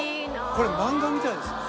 これマンガみたいですね。